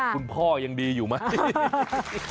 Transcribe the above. คุณพ่อยังดีอยู่ไหม